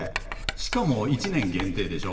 しかも１年限定でしょ。